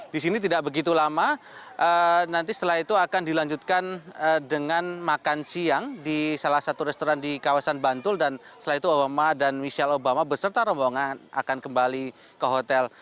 di sini tidak begitu lama nanti setelah itu akan dilanjutkan dengan makan siang di salah satu restoran di kawasan bantul dan setelah itu obama dan michelle obama beserta rombongan akan kembali ke hotel